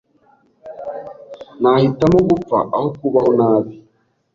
Nahitamo gupfa aho kubaho nabi. .